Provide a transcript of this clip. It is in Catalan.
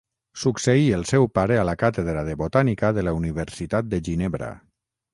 Succeí el seu pare a la càtedra de botànica de la Universitat de Ginebra.